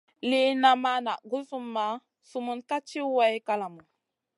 Lìna ma na guzumah sumun ka ci way kalamu.